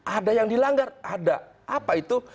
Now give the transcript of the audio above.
ada yang dilanggar ada apa itu